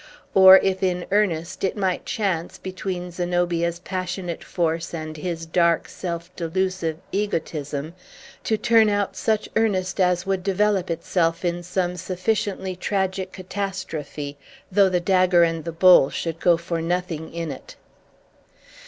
Or if in earnest, it might chance, between Zenobia's passionate force and his dark, self delusive egotism, to turn out such earnest as would develop itself in some sufficiently tragic catastrophe, though the dagger and the bowl should go for nothing in it.